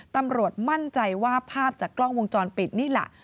ตำรวจมั่นใจว่าภาพจากกล้องวงจรปิดนี่แหละ